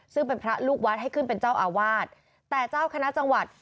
ซึ่งเป็นพระลูกวัดให้ขึ้นเป็นเจ้าอาวาสแต่เจ้าคณะจังหวัด